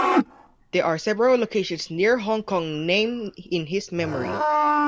There are several locations near Hong Kong named in his memory.